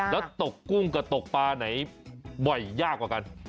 แล้วตกกุ้งกับตกปลาไหนบ่อยยากกว่ากัน